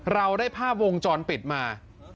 เราได้ภาพวงจรปิดมา